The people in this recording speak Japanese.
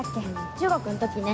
中学の時ね。